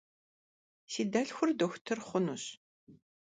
Si delhxur doxutır xhunuş.